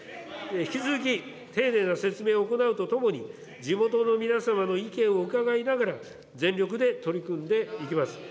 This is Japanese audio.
引き続き、丁寧な説明を行うとともに、地元の皆様の意見を伺いながら、全力で取り組んでいきます。